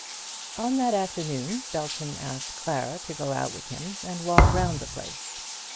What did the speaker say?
On that afternoon Belton asked Clara to go out with him, and walk round the place.